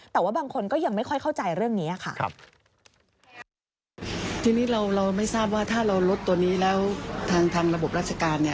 แต่ว่าบางคนก็ยังไม่ค่อยเข้าใจเรื่องนี้ค่ะ